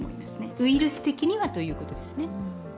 ウイルス的には、ということですね